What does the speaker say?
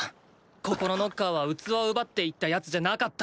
ここのノッカーは器を奪っていった奴じゃなかった！